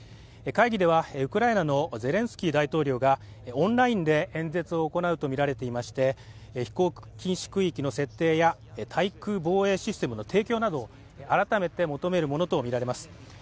会議ではウクライナのゼレンスキー大統領がオンラインで演説を行うとみられていまして、飛行禁止区域の設定や対空防衛システムの提供などを改めて求めるものとみられます。